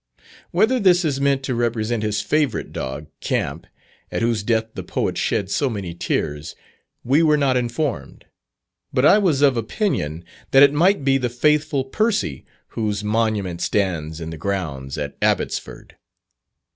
Whether this is meant to represent his favourite dog, Camp, at whose death the Poet shed so many tears, we were not informed; but I was of opinion that it might be the faithful Percy, whose monument stands in the grounds at Abbotsford.